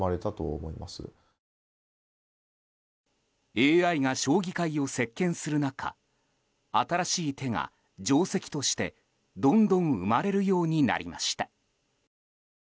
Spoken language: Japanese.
ＡＩが将棋界を席巻する中新しい手が定跡として、どんどん生まれるようになりました。